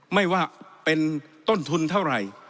ไม่ว่าเป็นต้นทุนเท่าไหร่